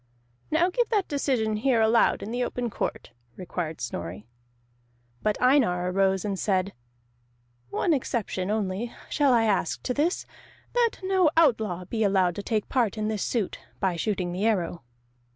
"Now give that decision here aloud in the open court," required Snorri. But Einar arose and said: "One exception only shall I ask to this, that no outlaw be allowed to take part in this suit, by shooting the arrow."